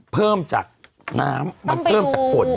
เพิ่มจากฝล